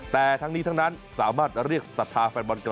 แต่ทั้งนี้ทั้งนั้นสามารถเรียกสทธาฝันบรรชา